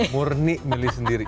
murni milih sendiri